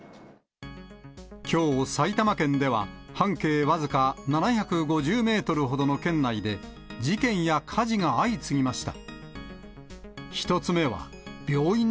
きょう埼玉県では、半径僅か７５０メートルほどの圏内で、事件や火事が相次ぎました。